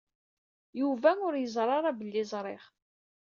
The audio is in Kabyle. Yuba ur yeẓri ara belli ẓriɣ.